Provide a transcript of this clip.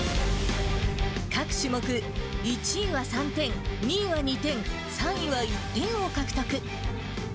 各種目、１位は３点、２位は２点、３位は１点を獲得。